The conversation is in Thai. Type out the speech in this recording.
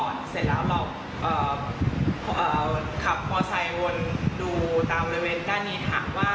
ยังไม่พบเจอก็เลยกลับมาโพสต์ในโทรธินิกของหมอเอง